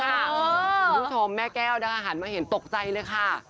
คุณผู้ชมแม่แก้วนะคะหันมาเห็นตกใจเลยค่ะ